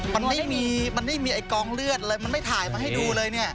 มันไม่มีมันไม่มีไอ้กองเลือดเลยมันไม่ถ่ายมาให้ดูเลยเนี่ย